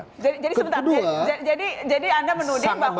jadi sebentar jadi anda menuduh bahwa